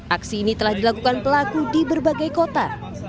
aksi ini telah dilakukan pelaku di berbagai kota